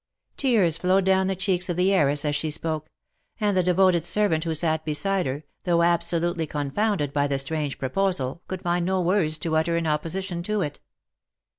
Tears flowed down the cheeks of the heiress as she spoke ; and the devoted servant who sat beside her, though absolutely con founded by the strange proposal, could find no words to utter in opposition to it.